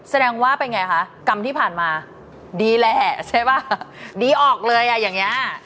แสดงว่าเป็นไงคะกรรมที่ผ่านมาดีแหละใช่ป่ะดีออกเลยอ่ะอย่างนี้